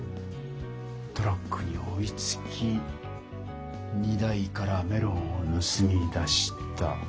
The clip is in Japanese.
トラックに追いつき荷台からメロンをぬすみ出した。